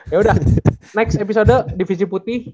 yaudah next episode divisi putih